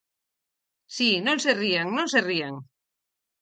Si, non se rían, non se rían.